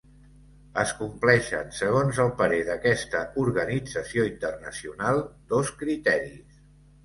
Es compleixen, segons el parer d'aquesta organització internacional, dos criteris.